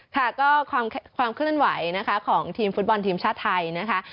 ค่ะก็ความเคลื่อนไหวนะคะของทีมฟุตบอลทีมชาติไทยนะคะ